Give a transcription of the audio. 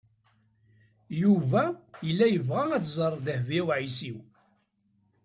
Yuba yella yebɣa ad tẓer Dehbiya u Ɛisiw.